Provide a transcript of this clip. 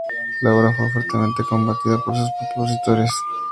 La obra fue fuertemente combatida por sus opositores.